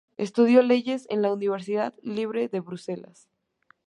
Estudió leyes en la Universidad Libre de Bruselas.